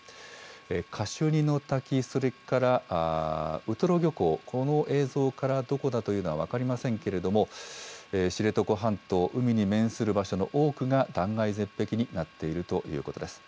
カシュニの滝、それからウトロ漁港、この映像から、どこだというのは分かりませんけれども、知床半島、海に面する場所の多くが断崖絶壁になっているということです。